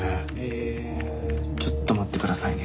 えちょっと待ってくださいね。